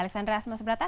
alexandra asma seberata